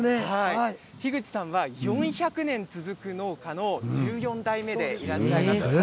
樋口さんは４００年続く農家の１４代目でいらっしゃいます。